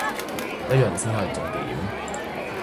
呢樣先係重點